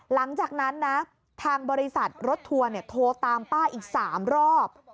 หลังจากนั้นนะทางบริษัทรถทัวร์โทรตามป้าอีก๓รอบ